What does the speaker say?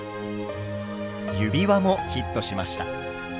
指輪もヒットしました。